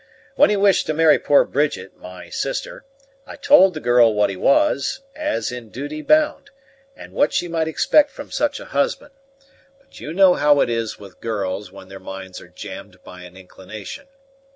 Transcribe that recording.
When he wished to marry poor Bridget, my sister, I told the girl what he was, as in duty bound, and what she might expect from such a husband; but you know how it is with girls when their minds are jammed by an inclination.